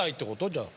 じゃあ。